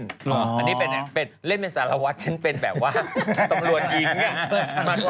อ๋อลำนี้เป็นการเล่นเป็นสารวจฉันเป็นแบบว่าทำรวจอีก